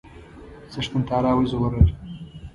چښتن تعالی وژغورل.